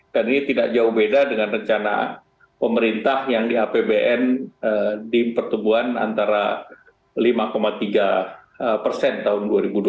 dan ini tidak jauh beda dengan rencana pemerintah yang di apbn di pertumbuhan antara lima tiga persen tahun dua ribu dua puluh tiga